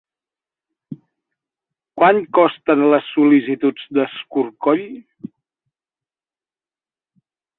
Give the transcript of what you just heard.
Quant costen les sol·licituds d'escorcoll?